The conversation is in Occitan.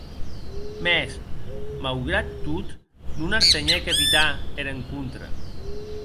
Mès, maugrat tot, non artenhec evitar er encontre.